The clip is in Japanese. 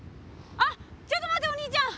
あっちょっと待ってお兄ちゃん！